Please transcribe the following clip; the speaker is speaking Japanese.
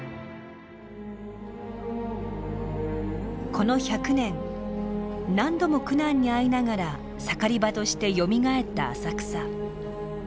この１００年何度も苦難に遭いながら盛り場としてよみがえった浅草。